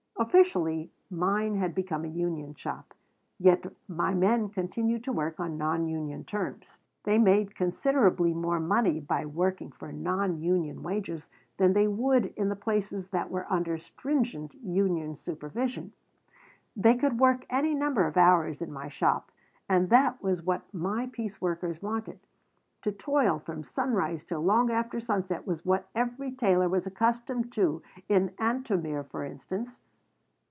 Officially mine had become a union shop, yet my men continued to work on non union terms. They made considerably more money by working for non union wages than they would in the places that were under stringent union supervision. They could work any number of hours in my shop, and that was what my piece workers wanted. To toil from sunrise till long after sunset was what every tailor was accustomed to in Antomir, for instance.